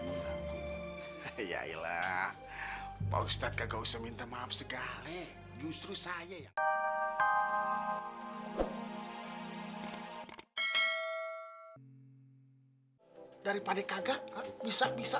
mengaku ya ilah mau setak ga usah minta maaf segale justru saya ya daripada kagak bisa bisa